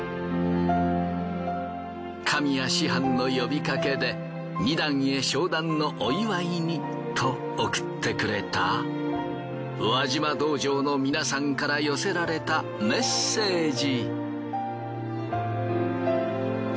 神谷師範の呼びかけで弐段へ昇段のお祝いにと送ってくれた輪島道場の皆さんから寄せられたメッセージ。